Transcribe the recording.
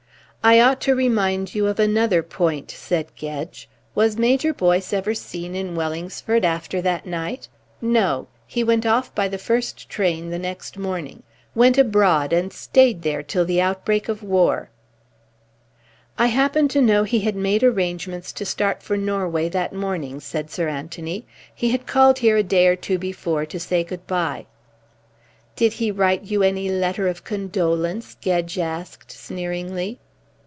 "I ought to remind you of another point." said Gedge. "Was Major Boyce ever seen in Wellingsford after that night? No. He went off by the first train the next morning. Went abroad and stayed there till the outbreak of war." "I happen to know he had made arrangements to start for Norway that morning," said Sir Anthony. "He had called here a day or two before to say good bye." "Did he write you any letter of condolence?" Gedge asked sneeringly.